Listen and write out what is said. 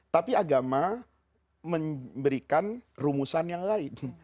tapi agama memberikan rumusan yang lain